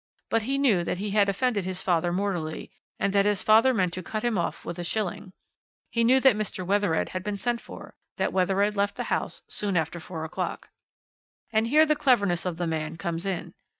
But he knew that he had offended his father mortally, and that his father meant to cut him off with a shilling. He knew that Mr. Wethered had been sent for, that Wethered left the house soon after four o'clock. "And here the cleverness of the man comes in.